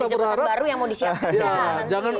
jabatan baru yang mau disiapkan